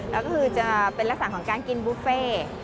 แล้วก็คือจะเป็นลักษณะของการกินบุฟเฟ่